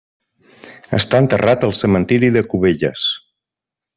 Està enterrat al cementiri de Cubelles.